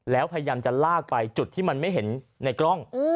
แล้วพยายามจะลากไปจุดที่มันไม่เห็นในกล้อง